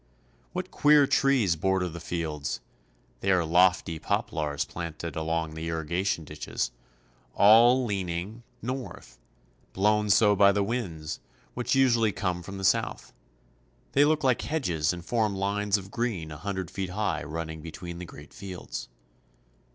What queer trees border the fields! They are lofty poplars planted along the irrigating ditches, all leaning 138 CHILE. north, blown so by the winds, which usually come from the south. They look like hedges, and form lines of green a hundred feet high running between the great fields.